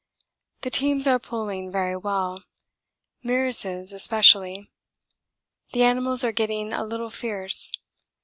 The teams are pulling very well, Meares' especially. The animals are getting a little fierce.